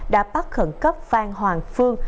đã bắt khẩn cấp phan hoàng phương